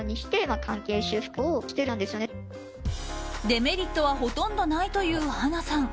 デメリットはほとんどないという華さん。